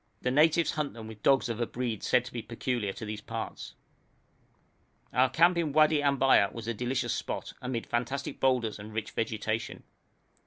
The natives hunt them with dogs of a breed said to be peculiar to these parts. Our camp in Wadi Ambaya was a delicious spot, amid fantastic boulders and rich vegetation.